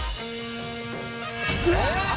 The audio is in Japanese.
えっ！